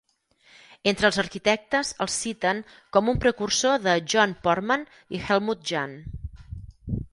Entre els arquitectes el citen com un precursor de John Portman i Helmut Jahn.